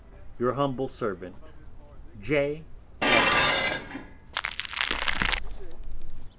Your Humble Servant, J. Adams.